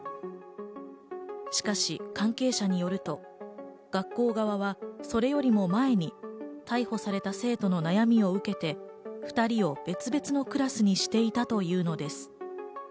しかし関係者によると、学校側はそれよりも前に逮捕された生徒の悩みを受けて２人を別々のクラスにしていたというのです。